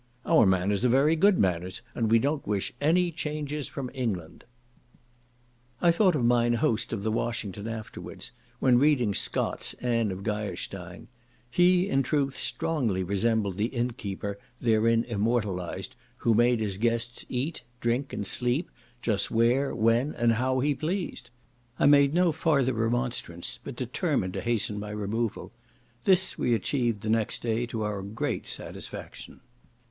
"Our manners are very good manners, and we don't wish any changes from England." I thought of mine host of the Washington afterwards, when reading Scott's "Anne of Geierstein;" he, in truth, strongly resembled the inn keeper therein immortalized, who made his guests eat, drink, and sleep, just where, when, and how he pleased. I made no farther remonstrance, but determined to hasten my removal. This we achieved the next day to our great satisfaction.